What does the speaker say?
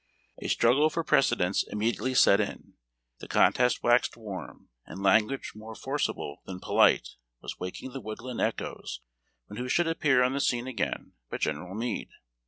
A struggle for precedence immedi ately set in. The contest waxed warm, and language more for cible than polite was waking the woodland echoes when who should appear on the scene again but General Meade.